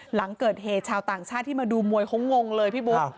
หลังเกิดเหตุชาวต่างชาติที่มาดูมวยเขางงเลยพี่บุ๊ค